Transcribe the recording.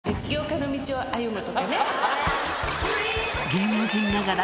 芸能人ながら